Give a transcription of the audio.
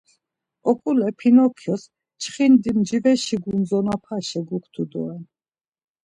Oǩule Pinokyos çxindi mcveşi gundzanobaşe guktu doren.